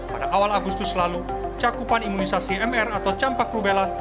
pada awal agustus lalu cakupan imunisasi mr atau campak rubella